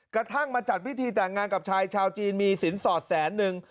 กระทั่งมาจัดพิธีแต่งงานกับชายชาวจีนมีสินสอดแสนนึง